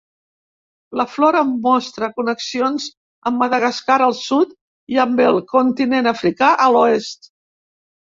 La flora mostra connexions amb Madagascar al sud i amb el continent africà a l'oest.